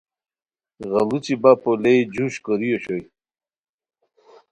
غیڑوچی بپو لیے جوش کوری اوشوئے